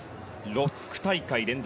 ６大会連続